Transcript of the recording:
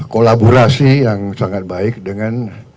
kolaborasi yang sangat baik dengan